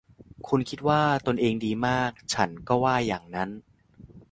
คุณคิดว่าตนเองดีมาก ฉันก็ว่าอย่างนั้น